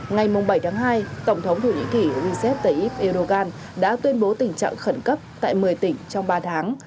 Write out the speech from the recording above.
ngay mông bảy tháng hai tổng thống thổ nhĩ kỳ rizet tayyip erdogan đã tuyên bố tình trạng khẩn cấp tại một mươi tỉnh trong ba tháng